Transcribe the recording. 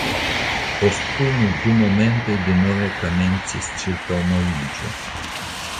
Post unu, du momentoj denove komencis ĉirkaŭmoviĝo.